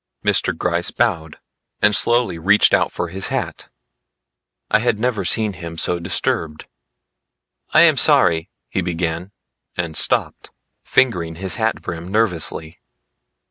Mr. Gryce bowed, and slowly reached out for his hat; I had never seen him so disturbed. "I am sorry," he began and stopped, fingering his hat brim nervously.